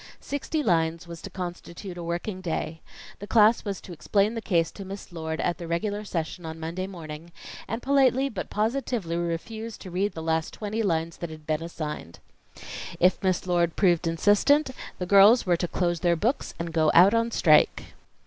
Sixty lines was to constitute a working day. The class was to explain the case to Miss Lord at the regular session on Monday morning, and politely but positively refuse to read the last twenty lines that had been assigned. If Miss Lord proved insistent, the girls were to close their books and go out on strike.